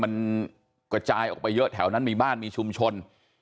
มันกระจายออกไปเยอะแถวนั้นมีบ้านมีชุมชน